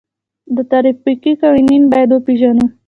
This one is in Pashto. د ترافیکو قوانین باید وپیژنو.